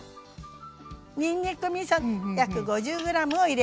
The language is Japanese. にんにくみそ約５０ｇを入れました。